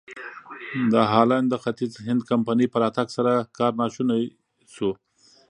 د هالنډ د ختیځ هند کمپنۍ په راتګ سره کار ناشونی شو.